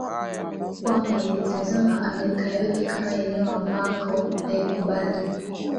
kwamba ilitazama Amerika yote kama eneo ambako haikubali